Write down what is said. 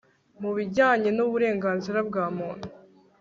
mu bijyanye n uburenganzira bwa muntu